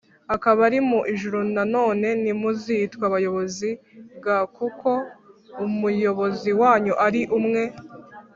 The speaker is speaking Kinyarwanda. akaba ari mu ijuru Nanone ntimuzitwe abayobozi g kuko Umuyobozi wanyu ari umwe